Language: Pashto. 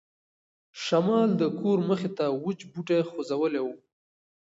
شمال د کور مخې ته وچ بوټي خوځولي وو.